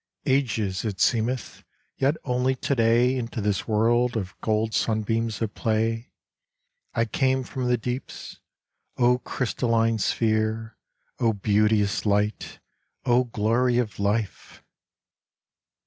Ages it seemeth, Yet only to day Into this world of Gold sunbeams at play, I came from the deeps. O crystalline sphere! O beauteous light! O glory of life!